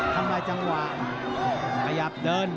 ทำได้จังหวะขยับเดิน